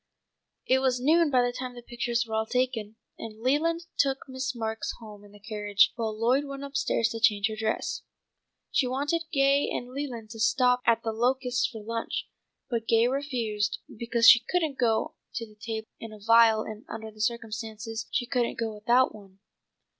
It was noon by the time the pictures were all taken, and Leland took Miss Marks home in the carriage while Lloyd went up stairs to change her dress. She wanted Gay and Leland to stop at The Locusts for lunch, but Gay refused because she couldn't go to the table in a veil and under the circumstances she couldn't go without one.